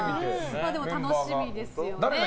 楽しみですよね。